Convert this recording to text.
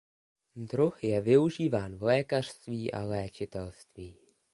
Druh je využíván v lékařství a léčitelství.